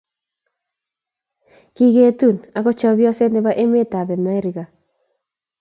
Kigetun ago chepyoset nebo emetab Amerika